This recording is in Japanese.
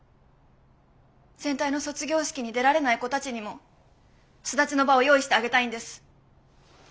全体の卒業式に出られない子たちにも巣立ちの場を用意してあげたいんです。